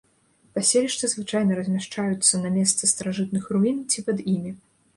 Паселішча звычайна размяшчаюцца на месцы старажытных руін ці пад імі.